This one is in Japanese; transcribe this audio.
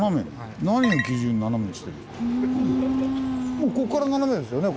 もうこっからナナメですよね